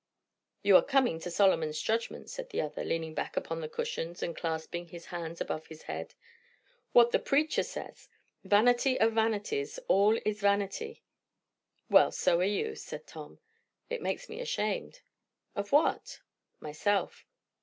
"You are coming to Solomon's judgment," said the other, leaning back upon the cushions and clasping his hands above his head, "what the preacher says 'Vanity of vanities, all is vanity.'" "Well, so are you," said Tom. "It makes me ashamed." "Of what?" "Myself."